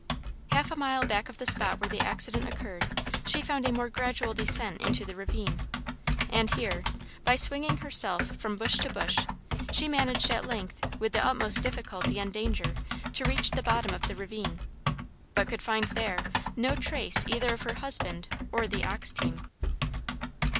Half a mile back of the spot where the accident occurred she found a more gradual descent into the ravine, and here, by swinging herself from bush to bush she managed at length with the utmost difficulty and danger to reach the bottom of the ravine, but could find there no trace either of her husband or of the ox team.